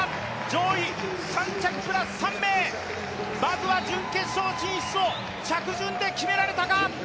上位３着プラス３名まずは準決勝進出を着順で決められたが。